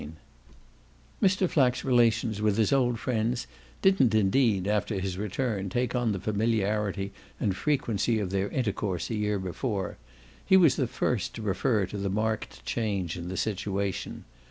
IX Mr. Flack's relations with his old friends didn't indeed, after his return, take on the familiarity and frequency of their intercourse a year before: he was the first to refer to the marked change in the situation.